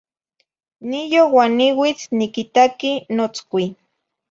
Niyo uan niuitz niquitaqui notzcuin.